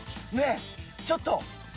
ねえちょっと！